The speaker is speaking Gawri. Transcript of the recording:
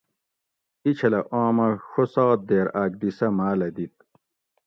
ایچھلہۤ آمہ ڛو سات دیر آۤک دی سہۤ ماۤلہۤ دِت